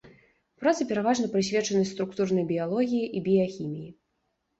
Працы пераважна прысвечаны структурнай біялогіі і біяхіміі.